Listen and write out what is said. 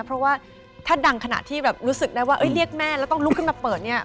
เพราะว่าถ้าดังขนาดที่แบบรู้สึกได้ว่าเรียกแม่แล้วต้องลุกขึ้นมาเปิดเนี่ย